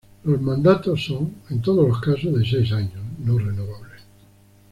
Los mandatos son, en todos los casos, de seis años, no renovables.